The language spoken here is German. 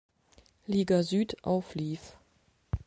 Liga Süd auflief.